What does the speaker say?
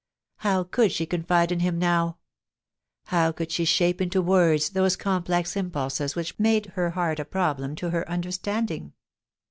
How could she confide in him now ? How could she shape into words those complex impulses which made her heart a pro blem to her understanding